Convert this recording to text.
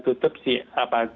tutup si apa